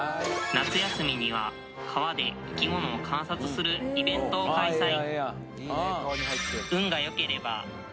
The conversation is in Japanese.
夏休みには川で生き物を観察するイベントを開催